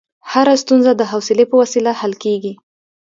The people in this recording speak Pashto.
هره ستونزه د حوصلې په وسیله حل کېږي.